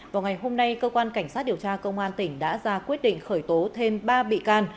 vào ngày hôm nay cơ quan cảnh sát điều tra công an tỉnh đã ra quyết định khởi tố thêm ba bị can